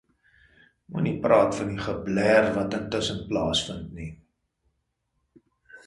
Moenie praat van die geblêr wat intussen plaasvind nie.